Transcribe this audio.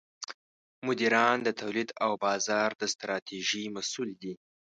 مدیران د تولید او بازار د ستراتیژۍ مسوول دي.